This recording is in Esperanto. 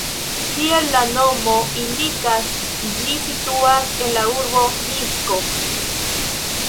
Kiel la nomo indikas, ĝi situas en la urbo Minsko.